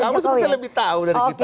kamu sepertinya lebih tahu dari kita